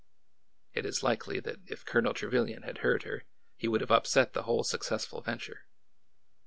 It is likely that if Colonel Trevilian had heard her, he would have upset the whole successful venture.